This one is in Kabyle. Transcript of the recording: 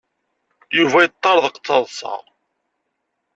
Yuba yeṭṭerḍeq d taḍsa.